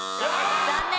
残念。